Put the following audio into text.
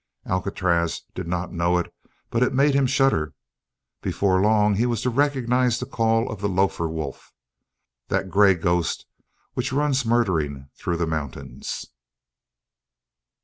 Alcatraz did not know it, but it made him shudder; before long he was to recognize the call of the lofer wolf, that grey ghost which runs murdering through the mountains.